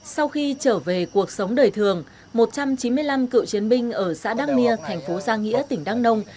sau khi trở về cuộc sống đời thường một trăm chín mươi năm cựu chiến binh ở xã đăng nia thành phố giang nghĩa tỉnh đăng nông